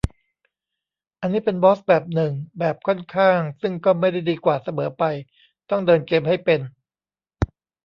อันนี้เป็นบอสแบบหนึ่ง แบบค่อนข้าง ซึ่งก็ไม่ได้ดีกว่าเสมอไป ต้องเดินเกมให้เป็น